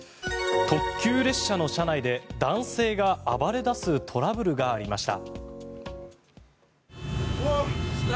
特急列車の車内で男性が暴れ出すトラブルがありました。